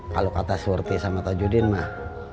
kalau kata surti sama tajudin mah